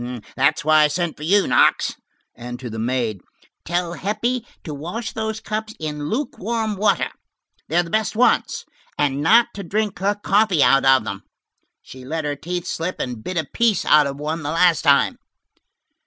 That's why I sent for you, Knox." And to the maid, "Tell Heppie to wash those cups in luke warm water. They're the best ones. And not to drink her coffee out of them. She let her teeth slip and bit a piece out of one the last time."